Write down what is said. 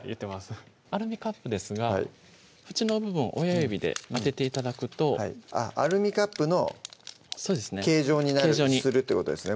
アルミカップですが縁の部分親指で当てて頂くとアルミカップの形状にするってことですね